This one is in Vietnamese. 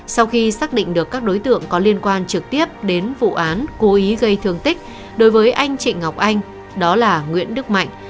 sau khi xác định được các đối tượng có liên quan trực tiếp đến vụ án cố ý gây thương tích đối với anh chị ngọc anh đó là nguyễn đức mạnh